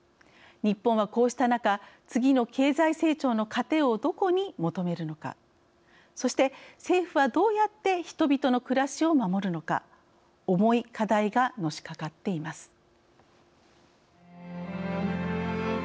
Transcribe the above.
日本はこうした中次の経済成長の糧をどこに求めるのかそして政府はどうやって人々の暮らしを守るのか重い課題がのしかかっています。